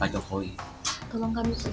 tolong kami pak jokowi tolong kami secepatnya